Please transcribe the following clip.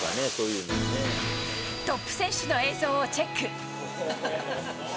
トップ選手の映像をチェック。